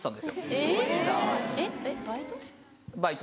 えぇえっバイト？